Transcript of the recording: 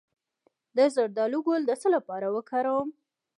د زردالو ګل د څه لپاره وکاروم؟